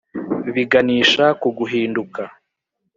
biganisha ku guhinduka